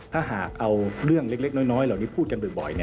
ถ้าหากเอาเรื่องเล็กน้อยเหล่านี้พูดกันบ่อย